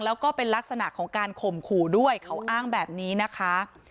แล้วก็เป็นลักษณะของการข่มขู่ด้วยเขาอ้างแบบนี้นะคะ